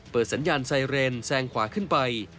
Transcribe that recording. สัญญาณไซเรนแซงขวาขึ้นไป